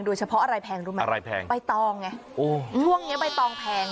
โดยเฉพาะอะไรแพงรู้ไหมอะไรแพงใบตองไงโอ้ช่วงเนี้ยใบตองแพง